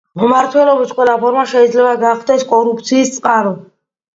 მმართველობის ყველა ფორმა შეიძლება გახდეს კორუფციის წყარო.